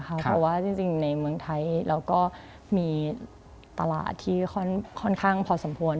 เพราะว่าจริงในเมืองไทยเราก็มีตลาดที่ค่อนข้างพอสมควร